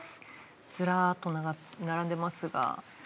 ズラッと並んでますが。